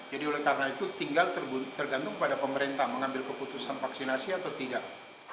jadi oleh karena itu tinggal tergantung pada pemerintah mengambil keputusan vaksinasi atau tidak